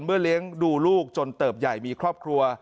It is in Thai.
เลี้ยงดูลูกจนเติบใหญ่มีครอบครัว